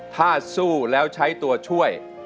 ถ้าสู้แล้วใช้ตัวช่วย